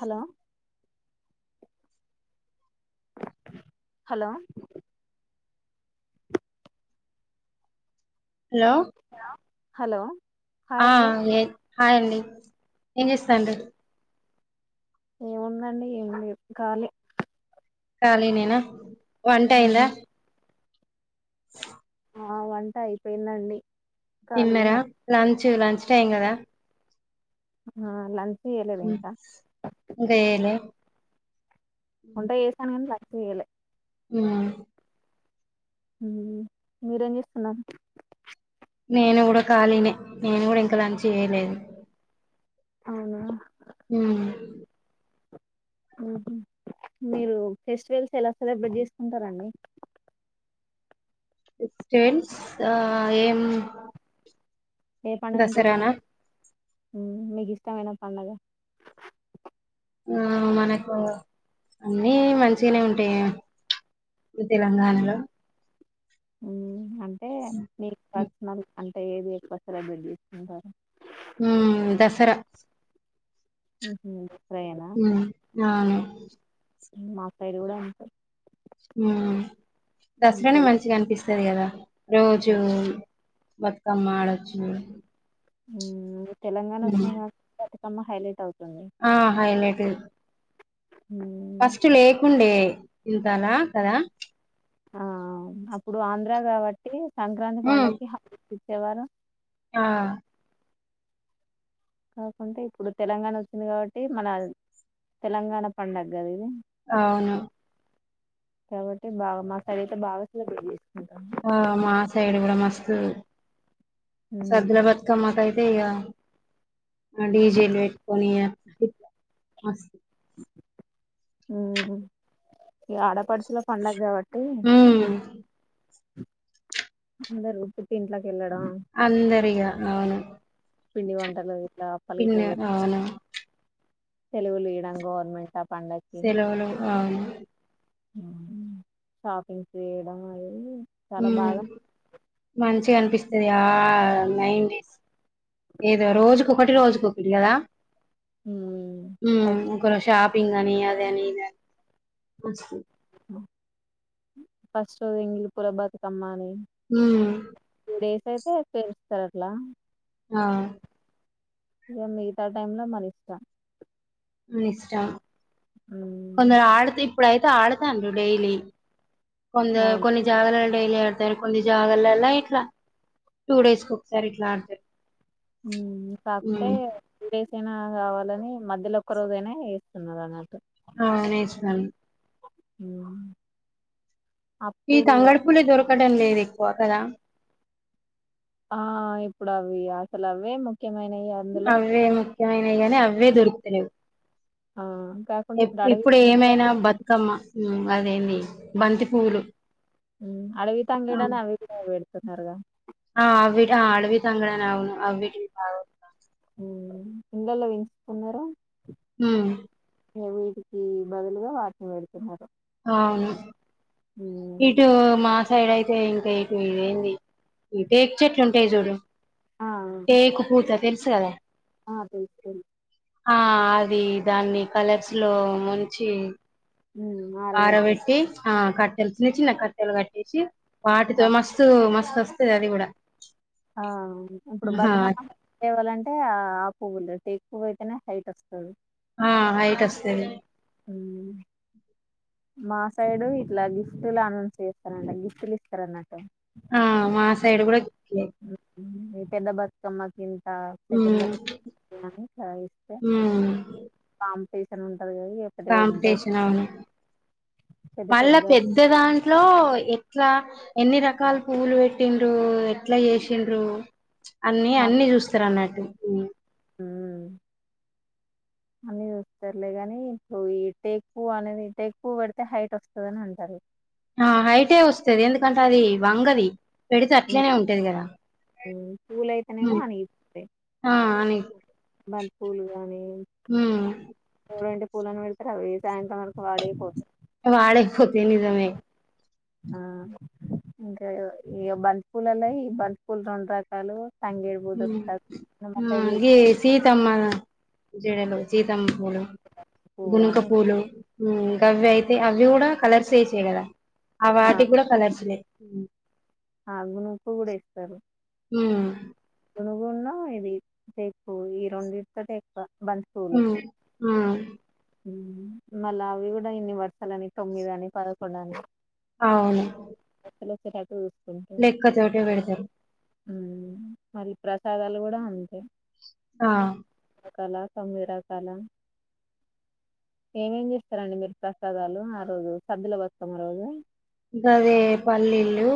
Hello hello hello hello hi ఆ అండి ఏ హాయండి ఏం చేస్తాంరు. ఏముందండి ఏమి లేదు ఖాలీ. కాలీనేనా వంటయిందా. మ్మ్, స ఆ వంట అయిపోయిందండి. ఖాళీగానే తిన్నరా అప్- లంచ్ లంచ్ టైం కదా. ఆ లంచ్ చేయలేదు ఉమ్, ఇంకా. ఇంకా చేయలే వంట చేసాను కానీ లంచ్ చేయలే. ఆ మీరేం చేస్తున్నారు? నేను కూడా ఖాళీనే నేను కూడా ఇంకా లంచ్ చేయలేదు. అవునా హ్ హుహ్ మీరు ఫెస్టివల్స్ ఎలా సెలబ్రేట్ చేసుకుంటారండి. క్రిస్టియన్స్ ఆ ఏం ఏ పండుగ అంటే ఇష్టం? దసరానా మీకు ఇష్టం అయినా పండగా ఆ మనకు అన్నీ మంచిగనే ఉంటయిగా మీ తెలంగాణలో అంటే మీకు పర్సనల్ అంటే ఏది ఎక్కువ సెలబ్రేట్ చేసుకుంటరు. ఉ దసరా ఉహ్ ఆ అవును. మా సైడ్ కూడా అంతే. ఆ దసరనే తెల మంచిగా అనిపిస్తది కదా. రోజు బతుకమ్మ ఆడొచ్చు. తెలంగాణ ఉమ్. ఒచ్చికాంచి బతుకమ్మ హైలైట్ అవుతు ఆ హైలైట్ ఉమ్, ఫస్ట్ లేకుండే ఇంతాల కదా ఆ అప్పుడు ఆంధ్రా కావట్టి సంక్రాంతి ఉమ్, పండక్కి ఇచ్చేవారు ఆ కాకుంటే ఇప్పుడు తెలంగాణ ఒచ్చింది కావట్టి మన తెలంగాణ పండగ్ గద ఇది ఆవును కాబట్టి బాగా మా సైడ్ అయితే బాగ ఆ మా సైడ్ గుడా మస్తు సద్దుల బతుకమ్మా కై తిగ డీజేల్ వేట్కోని ఇ అ మస్త్ ఉం ఇగ ఆడాపడుచుల పండాగ్గావట్టి మ్ అందరు పుట్టింటికి. అందరిగా అవును పిండి వంటలవి పిన్న అవును సెలివులీడం గవర్మెంట్ సలవులు అవును మ్హ్ షాపింగ్ చేయడం అది ఉం మంచిగనిపిస్త స నైన్ డేస్ ఏదో రోజుకొకటి రోజుకొకటి కదా హ్మ్ ఫస్ట్ ఒకరు షాపింగ్ అని అద అని ఇ అ ఫస్ట్ ఎంగిలి పుల బతుకమ్మాని మ్ డేస్ అయితే పేరుస్తారు అట్లా ఆ ఇక మిగతా టైమ్ ల మనిష్టం ఇష్టం హ్మ్ కొందరు ఆడుతే ఇప్పుడైతె ఆడుతాండ్రు డైలీ కొంద అవును కొన్ని జాగాలల్ల డైలీ ఆడతారు కొన్ని జాగాలల్ల ఇట్లా టూ డేస్ కొకసారి ఇట్లా ఆడతారు మ్ కాకుంటే ఉమ్ టు డేస్ ఐనా గావాలని మధ్యలో ఒక్క రోజైనే ఏస్తున్నారు అన్నట్టు ఆ [unintelligible] మ్ ఈ తంగడుపులే దొరకడం లేదు ఎక్కువ కదా ఆ ఇప్పుడు అవి అసల్ అవే ముఖ్యమైన అవే ముఖ్యమనయి గనీ అవే దొరుకుతలేవు ఆ కాకుండా ఎప్ అడవి ఇప్పుడు తంగేడు ఏమైనా బతుకమ్మ మ్ అదేంది బంతి పూలు మ్ అడివి తంగడని అవి గిన వెడుతున్నరుగ ఆ ఆ అడవి తంగడని అవు ఆ వీటి భా మ్ ఇంళ్లల్లో వెంచుతున్నరు మ్ ఇగ వీటికి బదులుగా వాటిని వెడుతున్నరు అవును ఇటు మా సైడ్ అయితే ఇంకా ఇటు ఇదేంది ఈ టేక్ చెట్లు ఉంటయి జూడు ఆ టేక్ పూత తెలుసు గదా ఆ తెల్స్ తెల్సు ఆ అది దాన్ని కలర్స్ లో ముంచి ఆర ఆరబెడతారు వెట్టి ఆ కట్టెలు చిన్న చిన్న కట్టెలు కట్టేశి ఆ వాటితో మస్తు మస్తు ఒస్తది అది గుడ ఆ ఇప్పుడు బతుకమ్మ చేవాలంటే ఆ ఆ పువ్వులు ఎక్కువయితేనే హైట్ వస్తుంది ఆ హైట్ వస్త అవు మా సైడు ఇట్లా గిఫ్ట్లు అనౌన్స్ చేస్తనండి గిఫ్ట్లు ఇస్తారు అన్నట్టు ఆ మాసైడు కూడాలే పదా బాత్ కమకి సెకండ్ లో ఉమ్ బిని ఇస్తే ఉమ్ పాం పసని ఉ కాంపిటీషన్ అవును మళ్ళా పెద్ద దాంట్లో ఎ ఎట్లా ఎన్ని రకాల పువ్లు పెట్టిండ్రు ఎట్లా చేసిండ్రు అన్నిీ అన్నిీ చూస్తారు అన్నట్టు ఉ అన్న చూస్తారులే కానీ ఇప్పుడు ఈ టేకు అనేది టెకువ పెడితే హైట్ వస్తుందిని అంటారు ఆ హైటే వస్తుది ఎందుకంటే అది వంగది పెడితే అట్లేనే ఉంటేది కదా పూలైతేనేమో అని బంత పూలు గాని హ స్కూలను వెళ్తారు అవి సాయంత్రం వరకు వాడేయిపోతారు వాడేపోతేని తమ ఆ ఇంకా ఇ బంతి పూలులా ఈ బంతి పూలు రెండు రకాలు తంగేడు పూత ే సీతమ్మ జీడలు సీతమ్మ పూలు పువ్వు గునుక అని పూలు గవవి అయితే అవి కూడా కలర్స్ వసాయి కదా ఆ వాటికి కూడా కలర్స్ లే ఉ ఆగు నూకు కూడా ఇస్తారు ఆ మునుగున్న ఇది ఎక్కువ ఈ రెండితో ఎక్కువ బంతి ఉ మళ్ళా అవి కూడా ఇన్ని వర్షాలు అని తొమ్మిద అని పదకొండు అని అవును చటు లెక్క చోటే పెడతారు మరి ప్రసాదాలు కూడా ఉంతాయి ఆ కలా కభీరా కాల ఏమేం చేస్తారంండి మీరు ప్రసాదాలు ఆ రోజు సర్దులో వస్తకాం రోజు కాదే పల్లీలుు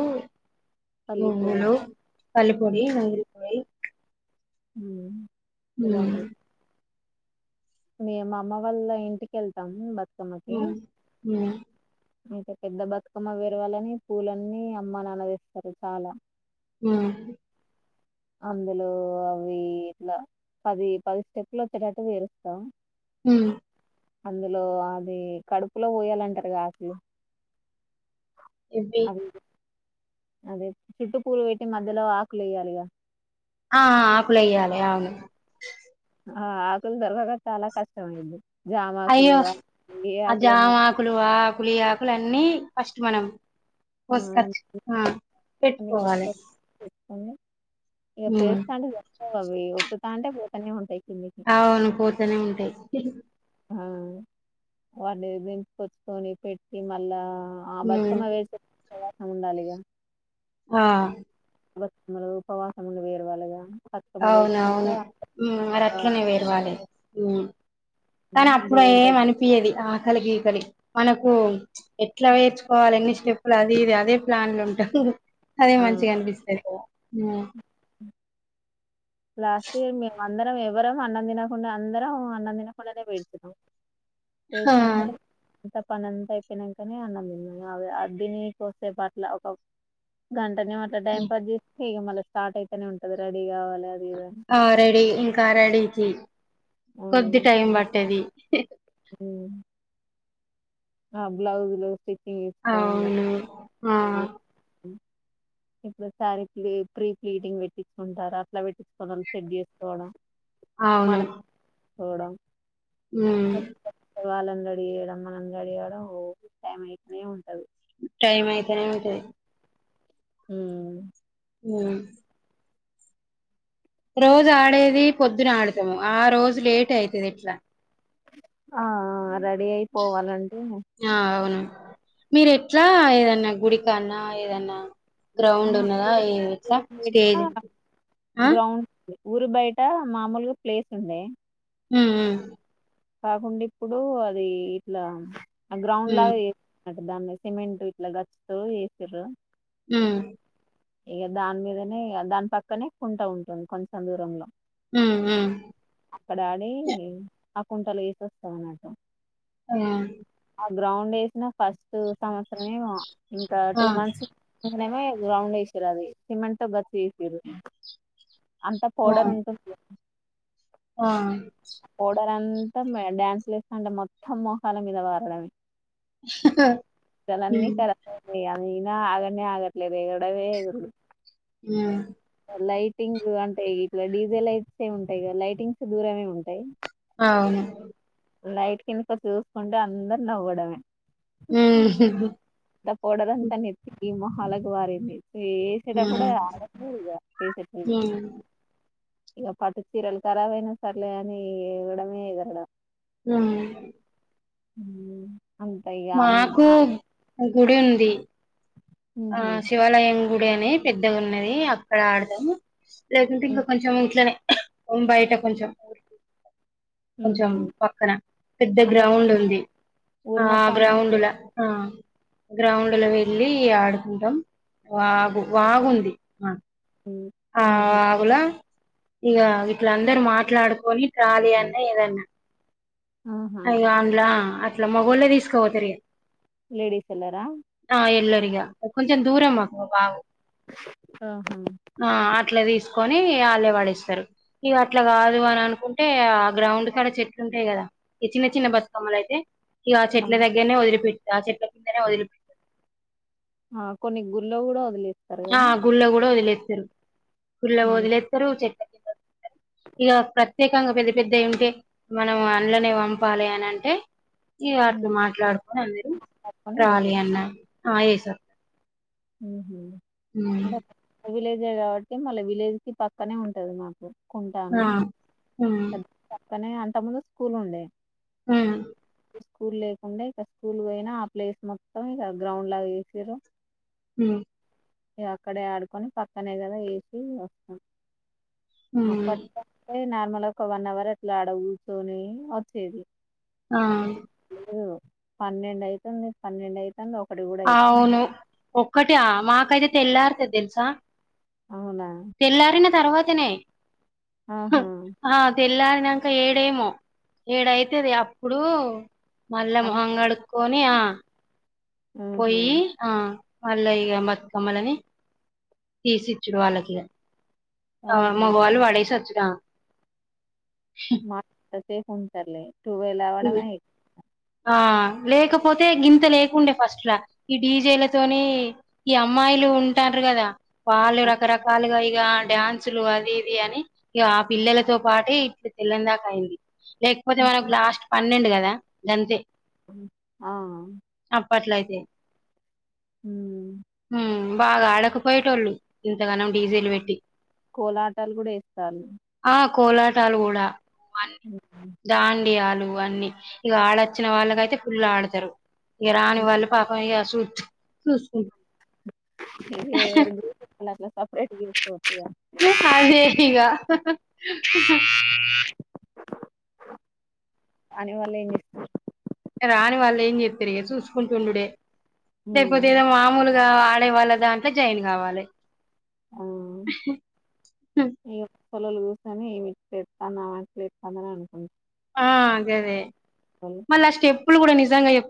పల్లి పొడి ంగలు పలిపొడి మంగలి పొడి హ హ మేము అమ్మ వాల్ళ ఇంటికెళ్తాం అ అయితే పెద్ద బతుకమ్మ వరవాలని పూలన్నీ అమ్మ నా అన్నదిేస్తారు చాలా ఆ అందులో అవి ఇట్లా పది పది స్టెప్లు వచ్చేటట్టు వేరు స హ అందులో అది కడుపులో పోయాలంటారుగా అసలు ఇబ అదే చుట్టుపూలు పెట్టి మధ్యలో ఆకులు వయ్యాలిగా ఆ ఆ పలేయాల అవును ఆ ఆకులు దొరకక చాలా కష్టం అయింది అయ్యో జామాకులు ఆ- ఏ అ ఆకులైనా జామ ఆకులు ఆకులి ఆకులు అన్నీ ఫస్ట్ మనం ఆ, కోస్కచ్చ అన్ని పెట్టుకోవాలి ఇక హ్మ్ పేరుస్తా అంటే అ ఒత్స్తుతా అంటే బోతనే ఉంటాయి కిందికి అవును పోతనే ఉంటాయి ఆ వాటి దెంపుకొచ్చుకొని పెట్టి మళ్ళా ఆ హ్మ్ బతుకమ్మ పెర్సె [unintelligible] ఉండాలిగా ఆ బతుకమ్మలు ఉపవాసముండి పెరు వళగా అవున అవును ఉమ్ మరి అట్లనే పెరవాలి కానీ అప్పుడు దేవుడి ఏం దగ్గర అనిపియది ఆకలి గీకలి మనకు ఎట్లా పెర్చుకోవాలి ఎన్ని స్టెప్పులు అది ఇది అదే ప్లాన్ల ఉంటా అదే ఆ మంచిగా అనిపిస్తది కదా లాస్ట్ ఇయర్ మేము అందరం ఎవరం అన్నం తినకుండా అందరం అన్నం తినకుండానే పెర్సినం ఆ చేత్తంటేనే కంత పని అంత అయిపోయినంకనే అన్నం అ అద్దని కో వసే పట్ల ఒక గం కొంచం అట్ల టైం పాస్ చేస్తే ఇగ మళ్ళ స్టార్ట్ అయితేనే ఉంటది రెడీ కావాలి అది ఇది ఆ రెడీ ఇంకా రెడీకి కొద్ది ఉమ్, టైం పట్టది ఉమ్ ఆ బ్లౌజ్ లో కి అవును ఆ ఇప్పుడసారి ప్రీ ఫ్లీడింగ్ పెట్టించుకుంటారు అట్లా పెట్టించుకోనోళ్ళు సెట్ చేసుకోవడం అవును మనం చేసుకోవడం హ్మ్ వాళ్ళని రెడిచేయడం మనందడియడం ఊకె టైం అయితేనే ఉంటది టైమ్ అయితేనే ఉంటది ఉమ్ ఉమ్ రోజు ఆడేది పొద్దున ఆడతాము ఆ రోజు లేట్ అయితది ఎట్లా ఆ రడీ అయిపోవాలంటె ఆ అవును మీరు ఎట్లా ఏదన్నా గుడికాన్నా ఏదన్నా గ్రౌండ్ ఉన్నదా ఏ ఏట్లా ఊరి బయట స్టేజ్ ఊరు బయట మామూలుగా ప్లేస్ ఉండే ఉహ్మ్ ఉహ్మ్ కాకుండా ఇప్పుడు అది ఇట్లా ఆ గ్రౌండ్ లాగా చే అంటే దాన్ని సిమెంట్ ఇట్లా గచ్చుతూ చేసిర్రు ఉమ్ ఇగ దాని మీదనే ఇగ దాని పక్కనే కుంటా ఉంటుంది కొంచెం దూరంలో ఉమ్ ఉమ్ ఉమ్ అక్కడ ఆడి ఆ కుంటలు ఏసీ వస్తాం అన్నట్టు ఆ గ్రౌండ్ వేసిన ఫస్ట్ సంవత్సరమెమో ఇంకా ఆ ఆ టూ మంత్స్ గ్రౌండ్ వేసిరు అది సిమెంట్తో గచ్చ చేసిరు అంతా పౌడర్ ఉంటది ఆ పోడరంతా డ్యాన్స్లుస్తాంటే మొత్తం మోహాల మీద పారాడమే చాలన్నీ ఉమ్ కర ఇగ ఆగనే ఆగట్లేదు ఎగరడమే ఉమ్ అ లైట్ టింగ్ అంటాయి ఇట్లా డీజిల్ ైట్స్ ఏ ఉంటాయి కదా లైటింగ్స్ దూరమే ఉంటాయి అవును లైట్ కిందక చూసుకుంటే అందరు నవ్వడమే ఉమ్ గా పౌడర్ అంత నెత్తికి మొహాలకి పారింది. ఏ వేసేటప్పుడు ఉమ్ ఆగట్లేదు ఇంకా ఫేస్ ఎట్లుంది. ఉమ్ ఇగ పట్టు చీరలు ఖరాబయినా సరలే అని [unintelligible] ఎరగడం హ్మ్ హ్మ్ అంతే ఇగ అమ్ ఆ ఆ గుడి ఉంది ఆ ఉహు, శివాలయం గుడి అని పెద్దగ ఉన్నది అక్కడ ఆడుదాం లేకుంటే ఇంక ఉహ్, కొంచం ఇట్లనే బయట కొంచం [unintelligible] కొంచం ఉహు. పక్కన పెద్ద అంటే గ్రౌండ్ ఉంది ఊరు ఆ మొత్తం గ్రౌండ్ల ఆ గ్రౌండ్ లో వెళ్లి ఆడుకుంటాం వాగు వాగుంది హ్మ్ హ్మ్ హు ఇగ ఇట్లందరు మాట్లాడుకొని ట్రాలీ అన్న ఏదన్నా ఆహా అయ్యో అంలా అట్ల మొగ్గొలే తీసుకోపోతారు ఇగ లేడీస్ ఎల్లారా కొంచం దూరమాకు బావు ఆహా ఆ అట్లా తీసుకొని వాళ్ళే పడేస్తారు ఇగ అట్లా కాదు అని అనుకుంటే ఆ గ్రౌండ్ ఇంటికాడ చెట్లు ఉంటాయి కదా ఈ చిన్న చిన్న బతుకమ్మలు అయితే ఇగ ఆ, చెట్ల దగ్గరనే వదిలిపెట్ ఆ చెట్ల కిందనే వదిలిపి ఆ కొన్ని గుళ్లో కూడా వదలి ఆ గుళ్లో కూడా వదిలేస్తారు గుళ్లో ఉమ్, వదిలేస్తారు చెట్ ఇగ ప్రత్యేకంగా పెద్ద పెద్ద ఏంటే మనం అందలోనే పంపాలి అని అంటే ఇగ అట్లు ఉమ్. మాట్లాడుకొని అందరూ పట్టుకొని ట్రాలీ వేసొచ్చు అన్న ఆ ఏస హ్మ్ హు హ్మ్ విలేజె కాబట్టి మళ్ళీ విలేజ్ కి పక్కనే ఉంటది మాకు ఆ కుంటాని ఉమ్ పక్కనే అంత ముందు స్కూల్ ఉండే హ్మ్ స్కూల్ లేకుండా ఇక స్కూల్ పోయినా ఆ ప్లేస్ మొత్తం ఇక గ్రౌండ్ లా చేసిరు హ్మ్ ఇ అక్కడే ఆడుకొని పక్కనే కదా వేసి వస్తాం ఉమ్ అప్పటటే నార్మల్ ఒక వన్ అవర్ అట్లా అడగుర్చొని వచ్చేది ఆ ఇప్పుడు లేదు పన్నెండు అయితుంది పన్నెండు అయితుంది ఒకటి కూడా అయితుంది ఒకట మాకైతే తెల్లారతది తెలుసా అవునా తరువాతనే ఆహా ఆ తెల్లార్ నాంక ఏడేమో ఏడుయితది అప్పుడు మళ్ళా అంత మొహం గడుకొని ఆ ఉహు పోయి ఆ మళ్ళ ఇగ బతుకమ్మలని తీసిచ్చుడు వాళ్ళకి ఇగ ఆ ఆహా మొగవాళ్ళు పాడే సోచ్చుడా మా సేఫ్ ఉంటారులే టూవీల్ అవడమే ఎ ఆ లేకపోతే గింత లేకుండే ఫస్ట్ లా ఈ డీజేలతోని ఈ అమ్మాయిలు ఉంటా ర్ కదా వాళ్ళు ఎక్కువ. రకరకాలుగా ఇగ డ్యాన్సులు అది ఇది అని ఇగ ఆ పిల్లలతో పాటి ఇటు తెల్లన్దాకా అయింది లేకపోతే మనకు లాస్ట్ పన్నెండు కదా గంతే ఆ అప్పట్లయితే ఉమ్. ఉమ్ బాగా ఆడకపోయేటోళ్ళు ఇంతగనం డీజిల్ పెట్టి కోలాటలు కూడా వేస్తాళ్ళ ఆ కోలాటాలు కూడా దాండీయాలు ఇవన్నీ ఇక ఆడొచ్చిన వాళ్ళకయితే ఫుల్ ఆడతారు ఇక రాని వాళ్ళు పాపం ఇగ చూ చూసి ఏ ఎవరు గ్రూప్ వాళ్ళు అట్లా సపరేట్ చేసుకోవచ్చు గా అదే ఇగా వాణి వాళ్ళ ఏం చేస్త రాని వాళ్ళు ఏం చేస్తారు చూసుకుంటుండుడే లేకపోతే ఉమ్ ఏదో మామూలుగా ఆడేవాళ్ళదాంట్లో జాయిన్ కావాలి ఆ అహే ఉమ్ పొలలు చూసొని ఏమి ఇట్ల ఏస్తన్నావ్ అట్లా ఏస్తన్నావ్ అని అనుకుంటారు ఆ గదే వాళ్ళు మళ్ళీ ఆ స్టెప్పులు కూడా నిజంగా చె